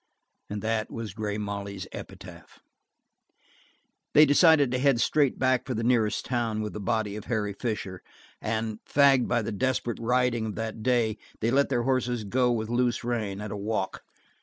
And that was Grey Molly's epitaph. They decided to head straight back for the nearest town with the body of Harry Fisher, and, fagged by the desperate riding of that day, they let their horses go with loose rein, at a walk.